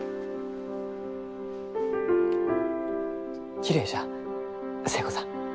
きれいじゃ寿恵子さん。